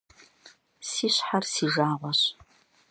Си щхьэр си жагъуэщ.